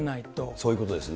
そういうことですね。